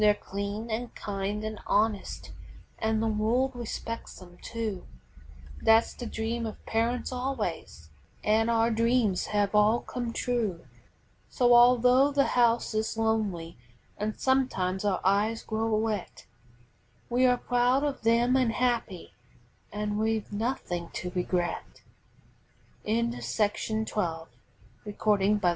] They're clean, an' kind an' honest, an' the world respects 'em, too; That's the dream of parents always, an' our dreams have all come true. So although the house is lonely an' sometimes our eyes grow wet, We are proud of them an' happy an' we've nothing to re